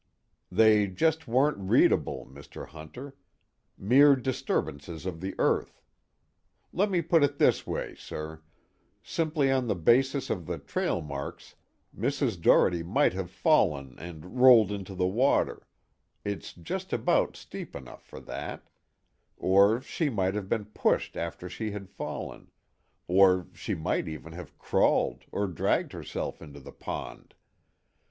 "They just weren't readable, Mr. Hunter. Mere disturbances of the earth. Let me put it this way, sir: simply on the basis of the trailmarks, Mrs. Doherty might have fallen and rolled into the water it's just about steep enough for that; or she might have been pushed after she had fallen; or she might even have crawled or dragged herself into the pond.